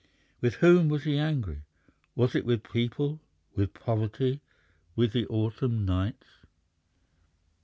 With whom was he angry? Was it with people, with poverty, with the autumn nights?